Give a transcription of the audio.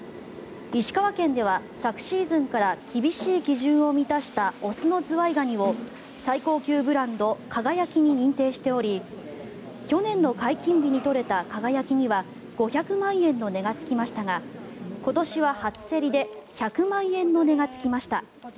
石川県では昨シーズンから厳しい基準を満たした雄のズワイガニを最高級ブランド「輝」に認定しており去年の解禁日に取れた「輝」には５００万円の値がつきましたが今年は初競りで１００万円の値がつきました。